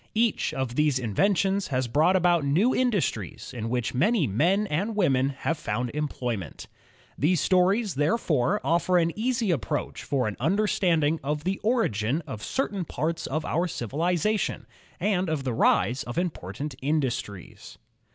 Each of these inventions has brought about new industries in which many men and women have found employment. These stories, therefore, offer an easy approach to an imderstanding of the origin of certain parts of our civilization, and of the rise of important industries.